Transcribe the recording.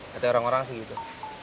hati orang orang sih gitu